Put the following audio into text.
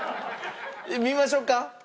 見ましょうか？